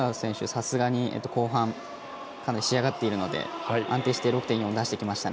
さすがに後半、かなり仕上がっているので安定して６．４を出してきました。